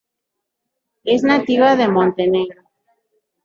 Es nativa de Montenegro.